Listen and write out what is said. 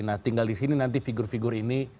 nah tinggal disini nanti figur figur ini